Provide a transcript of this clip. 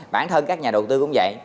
bản thân các nhà đầu tư cũng vậy